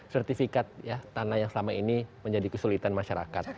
sertifikat tanah yang selama ini menjadi kesulitan masyarakat